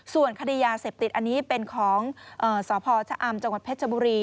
ส่วนคดียาเสพติดอันนี้เป็นของสภออจพบุรี